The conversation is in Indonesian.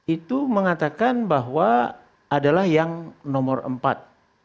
itu mengatakan bahwa adalah yang nomor empat